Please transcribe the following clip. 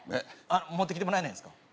いや持ってきてもらえないんですか？